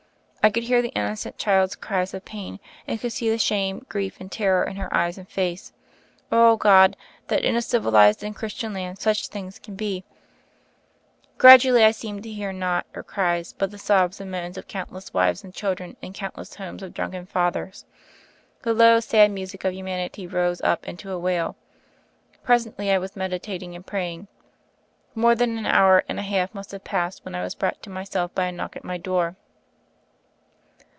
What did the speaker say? I could hear the innocent child's cries of pain, could see the shame, grief, and terror in her eyes and face. Oh, God, that in a civilized and Christian land such things can be! Gradually, THE FAIRY OF THE SNOWS 83 I seemed to hear not her cry, but the sobs and moans of countless wives and children in count less homes of drunken fathers. The low sad music of humanity rose up into a wail. Pres ently, I was meditating and praying. More than an hour and a half must have passed, when I was brought to myself by a knock at my door.